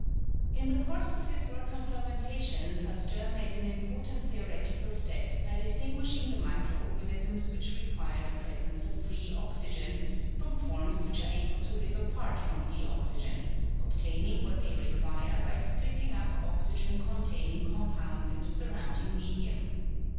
In the course of his work on fermentation, Pasteur made an important theoretical step by distinguishing the micro organisms which require the presence of free oxygen, from forms which are able to live apart from free oxygen, obtaining what they require by splitting up oxygen containing compounds in the surrounding medium.